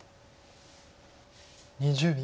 ２０秒。